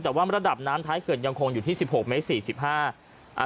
แต่ว่าระดับน้ำท้ายเขื่อนยังคงอยู่ที่สิบหกเมตรสี่สิบห้าอ่า